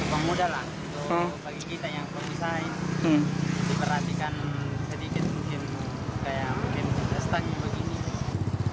kita yang pemusah ini diperhatikan sedikit mungkin kayak mungkin stag begini